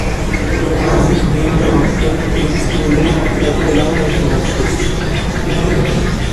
It is named after Prince Moulay Abdellah of Morocco.